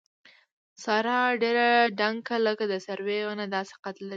ساره ډېره دنګه لکه د سروې ونه داسې قد لري.